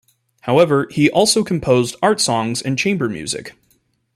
However, he also composed art songs and chamber music.